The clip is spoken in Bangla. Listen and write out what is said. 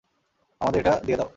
আমাদের এটা দিয়ে দাও।